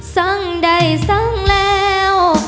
สังใดสังแล้ว